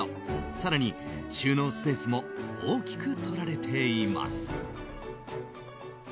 更に、収納スペースも大きくとられています。